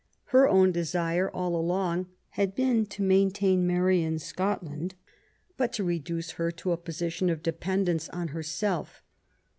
Her own desire all along had been to maintain Mary in Scotland, but to reduce her to a position of de pendence on herself.